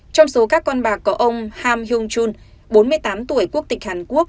trong số các con bạc có ông ham yong chun bốn mươi tám tuổi quốc tịch hàn quốc